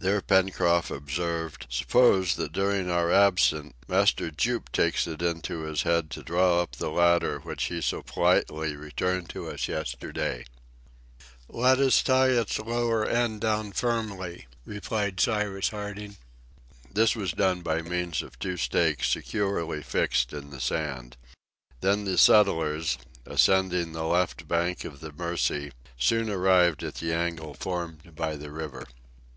There Pencroft observed, "Suppose, that during our absence, Master Jup takes it into his head to draw up the ladder which he so politely returned to us yesterday?" "Let us tie its lower end down firmly," replied Cyrus Harding. This was done by means of two stakes securely fixed in the sand. Then the settlers, ascending the left bank of the Mercy, soon arrived at the angle formed by the river.